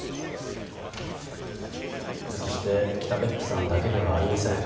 そして北別府さんだけではありません。